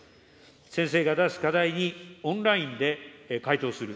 先生が出す課題にオンラインで回答する。